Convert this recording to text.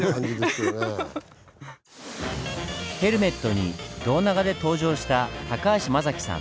ヘルメットに胴長で登場した高橋正樹さん。